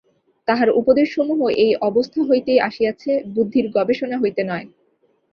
তাঁহার উপদেশসমূহ এই অবস্থা হইতেই আসিয়াছে, বুদ্ধির গবেষণা হইতে নয়।